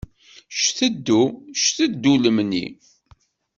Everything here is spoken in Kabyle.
Cteddu, cteddu lemni.